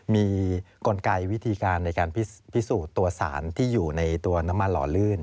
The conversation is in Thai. มีกลไกวิธีการในการพิสูจน์ตัวสารที่อยู่ในตัวน้ำมันหล่อลื่น